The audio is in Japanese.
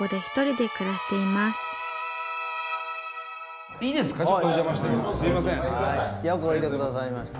よくおいで下さいました。